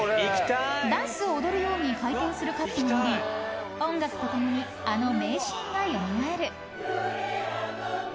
［ダンスを踊るように回転するカップに乗り音楽とともにあの名シーンが蘇る］